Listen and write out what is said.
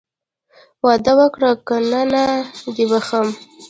واده وکړه که نه نه دې بښم.